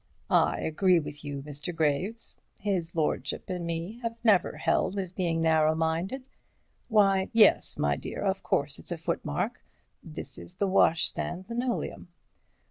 "I agree with you, Mr. Graves—his lordship and me have never held with being narrow minded—why, yes, my dear, of course it's a footmark, this is the washstand linoleum.